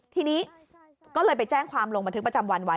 ทีนี้ก็เลยไปแจ้งความลงบันทึกประจำวันไว้